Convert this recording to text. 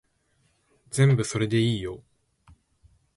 全部それでいいよ